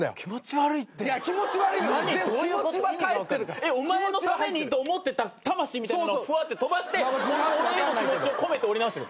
えっお前のためにと思ってた魂みたいなものふわって飛ばして俺への気持ちをこめて折り直してる？